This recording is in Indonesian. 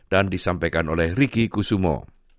dan disampaikan oleh riki kusumo